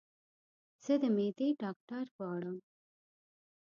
زه د معدي ډاکټر غواړم